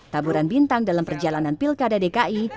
taburan bintang dalam perjalanan pilkada dki